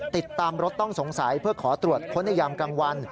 ติดตามรถต้องสงสัยเพื่อขอตรวจค้นในยามกลางวัน